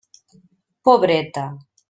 Pobreta!